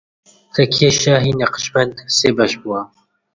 تەکیەی شاهی نەقشبەند سێ بەش بووە